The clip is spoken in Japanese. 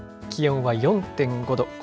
気温は４．５度。